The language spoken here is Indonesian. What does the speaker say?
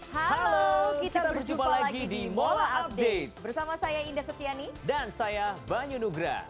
halo kita berjumpa lagi di mola update bersama saya indah setiani dan saya banyu nugra